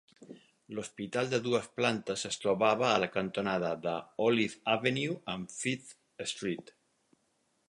L'hospital de dues plantes es trobava a la cantonada d'Olive Avenue amb Fifth Street.